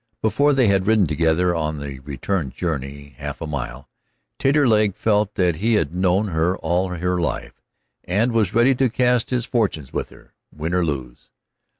Before they had ridden together on the return journey half a mile, Taterleg felt that he had known her all her life, and was ready to cast his fortunes with her, win or lose.